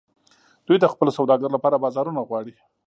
دوی د خپلو سوداګرو لپاره بازارونه غواړي